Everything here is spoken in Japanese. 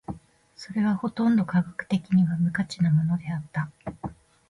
それはほとんど科学的には無価値なものであった。